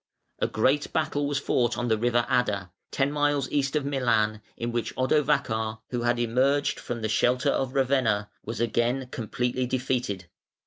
A great battle was fought on the river Adda, ten miles east of Milan, in which Odovacar, who had emerged from the shelter of Ravenna, was again completely defeated.